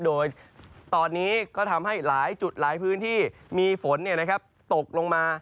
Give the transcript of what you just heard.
โดยตอนนี้ก็ทำให้หลายจุดหลายพื้นที่มีฝนตกลงมา